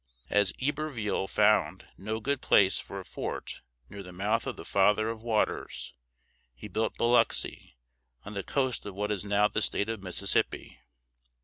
As Iberville found no good place for a fort near the mouth of the "Father of Waters," he built Bil ox´i, on the coast of what is now the state of Mississippi.